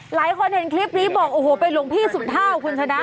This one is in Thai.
หลายคนเห็นคลิปนี้บอกโอ้โฮเป็นลงพี่สุนท้าของคุณธนะ